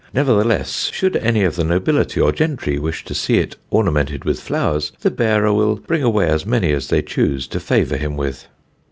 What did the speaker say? Nevertheless, should any of the nobility or gentry wish to see it ornamented with flowers, the bearer will bring away as many as they choose to favour him with."